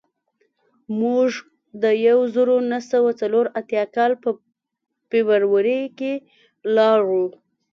موږ د یو زرو نهه سوه څلور اتیا کال په فبروري کې لاړو